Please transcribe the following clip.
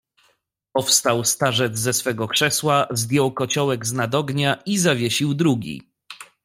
"Powstał starzec ze swego krzesła, zdjął kociołek z nad ognia i zawiesił drugi."